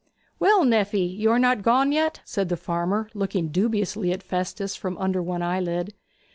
'Well, nephy, you are not gone yet?' said the farmer, looking dubiously at Festus from under one eyelid.